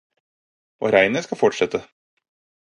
Og regnet skal fortsette.